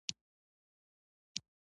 خو پخوانی رژیم یې بیا واکمن او ژوندی نه کړ.